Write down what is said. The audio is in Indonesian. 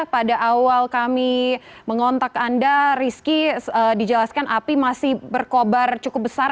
pada awal kami mengontak anda rizky dijelaskan api masih berkobar cukup besar